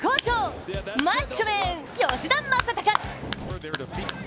マッチョメン、吉田正尚。